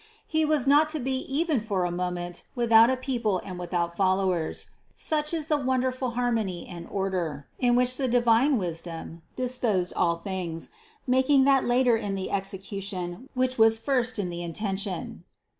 He was not to be even for a moment without a people and without followers : such is the wonderful harmony and order, in which the divine wisdom disposed all things, making that later in the execution, which was first in the intention.